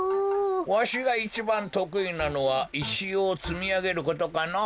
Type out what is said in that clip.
わしがいちばんとくいなのはいしをつみあげることかのぉ。